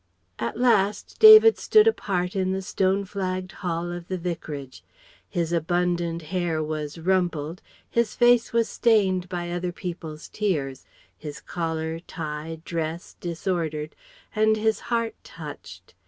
At last David stood apart in the stone flagged hall of the Vicarage. His abundant hair was rumpled, his face was stained by other people's tears, his collar, tie, dress disordered, and his heart touched.